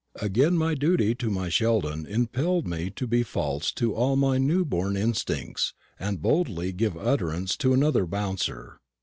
Again my duty to my Sheldon impelled me to be false to all my new born instincts, and boldly give utterance to another bouncer.